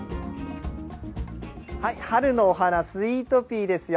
春のお花、スイートピーですよ。